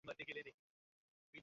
তার জন্য চিন্তা করবেন না, স্যার।